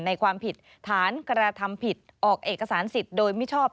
ความผิดฐานกระทำผิดออกเอกสารสิทธิ์โดยมิชอบ